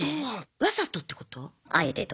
わざとってこと？